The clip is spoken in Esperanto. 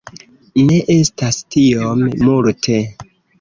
Ne estas tiom multe.